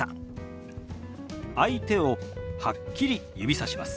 相手をはっきり指さします。